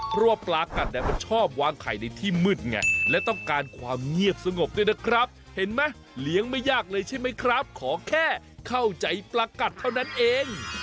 เพราะว่าปลากัดเนี่ยมันชอบวางไข่ในที่มืดไงและต้องการความเงียบสงบด้วยนะครับเห็นไหมเลี้ยงไม่ยากเลยใช่ไหมครับขอแค่เข้าใจปลากัดเท่านั้นเอง